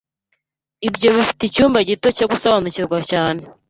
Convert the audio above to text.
Ibyo bifite icyumba gito cyo gusobanukirwa cyane